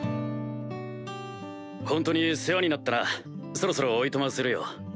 ・ホントに世話になったな・・そろそろおいとまするよ